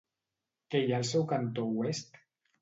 Què hi ha al seu cantó oest?